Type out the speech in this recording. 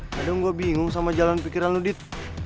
kadang gue bingung sama jalan pikiran lo dit